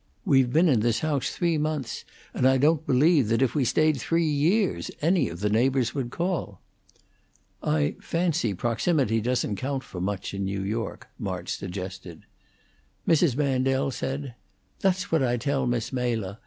We've been in this house three months, and I don't believe that if we stayed three years any of the neighbors would call." "I fancy proximity doesn't count for much in New York," March suggested. Mrs. Mandel said: "That's what I tell Miss Mela.